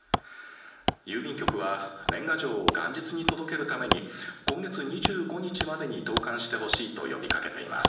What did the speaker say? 郵便局は年賀状を元日に届けるために今月２５日までに投かんしてほしいと呼びかけています。